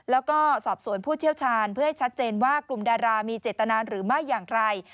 แล้วก็สอบสวนผู้เชี่ยวชาญเพื่อให้ชัดเจนว่ากลุ่มดารามีเจตนาหรือไม่อย่างไร